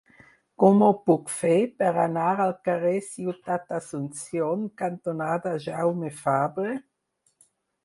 Com ho puc fer per anar al carrer Ciutat d'Asunción cantonada Jaume Fabre?